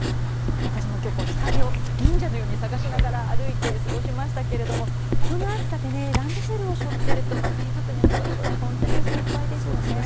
私も今日、日陰を忍者のように探しながら歩いて過ごしましたがこの暑さでランドセルを背負っていると低学年の子など本当に心配ですよね。